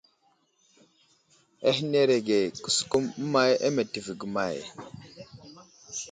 Ahənerege :» kəsəkum əmay á meltivi ge may ?«.